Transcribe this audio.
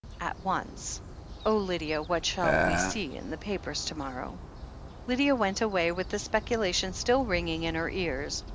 "At once. Oh, Lydia, what shall we see in the papers to morrow?" Lydia went away with the speculation still ringing in her ears.